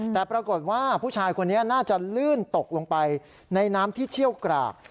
แต่ปรากฏว่าผู้ชายคนนี้น่าจะลื่นตกลงไปในน้ำที่เชี่ยวกราก